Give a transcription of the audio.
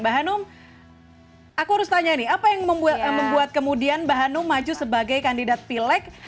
mbak hanum aku harus tanya nih apa yang membuat kemudian mbak hanum maju sebagai kandidat pileg